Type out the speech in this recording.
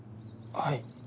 はい。